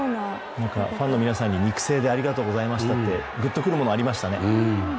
ファンの皆さんに肉声でありがとうございましたってグッとくるものがありましたね。